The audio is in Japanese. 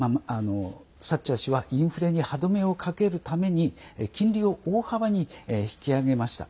サッチャー氏はインフレに歯止めをかけるために金利を大幅に引き上げました。